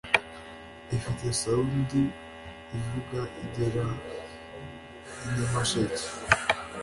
Ifite sound ivuga igera inyamasheke